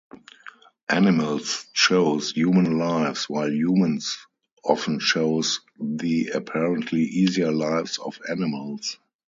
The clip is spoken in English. Animals chose human lives while humans often chose the apparently easier lives of animals.